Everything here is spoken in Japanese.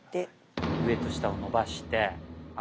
上と下を伸ばして。